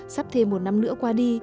sắp thêm một năm nữa qua đi